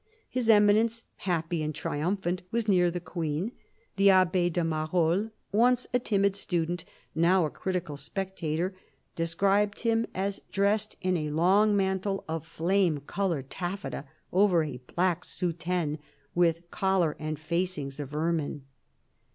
His Eminence, happy and triumphant, was near the Queen : the Abb6 de Marolles, once a timid student, now a critical spectator, describes him as dressed in a long mantle of flame coloured taffeta over a black soutane, with collar and facings of ermine.